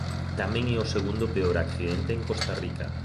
Tamén é o segundo peor accidente en Costa Rica.